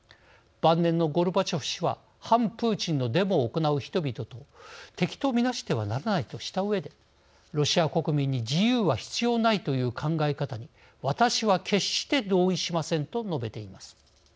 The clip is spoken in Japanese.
晩年のゴルバチョフ氏は反プーチンのデモを行う人々と敵と見なしてはならないとしたうえで「ロシア国民に自由は必要ないという考え方に私は決して同意しません」と述べています。